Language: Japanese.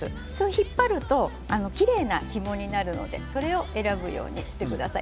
引っ張るときれいなひもになるのでそれを選ぶようにしてください。